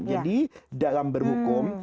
jadi dalam berhukum